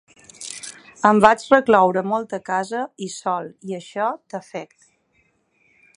Em vaig recloure molt a casa i sol i això t’afect'.